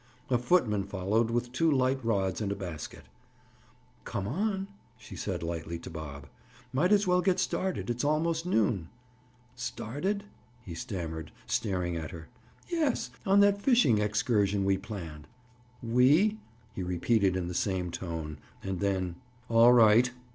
A footman followed with two light rods and a basket. "Come on," she said lightly to Bob. "Might as well get started. It's almost noon." "Started?" he stammered, staring at her. "Yes, on that fishing excursion we planned." "We?" he repeated in the same tone. And then— "All right!"